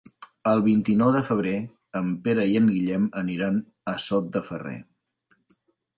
El vint-i-nou de febrer en Pere i en Guillem aniran a Sot de Ferrer.